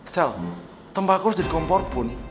sel tempat aku harus jadi kompor pun